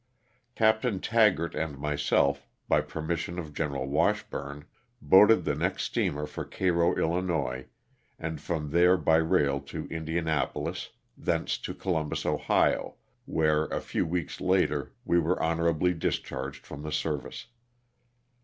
Oapt. Taggart and myself, by permis sion of Gen. Washburn, boarded the next steamer for Cairo, 111., and from there by rail to Indianapolis, thence to Columbus, Ohio, where, a few weeks later, we were honorably discharged from the service.